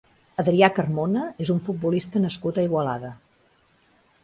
Adrià Carmona és un futbolista nascut a Igualada.